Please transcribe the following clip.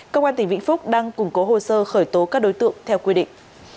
công an tp hcm đang củng cố hồ sơ khởi tố các đối tượng theo quy định